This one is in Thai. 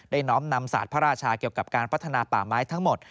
น้อมนำศาสตร์พระราชาเกี่ยวกับการพัฒนาป่าไม้ทั้งหมด